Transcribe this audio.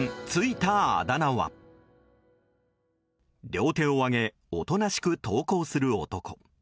両手を上げおとなしく投降する男。